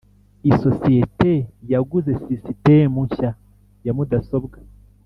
isosiyete yaguze sisitemu nshya ya mudasobwa.